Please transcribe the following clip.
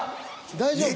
大丈夫？